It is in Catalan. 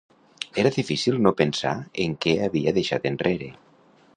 Era difícil no pensar en què havia deixat enrere.